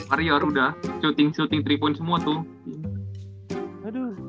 aryor udah syuting syuting tripun semua tuh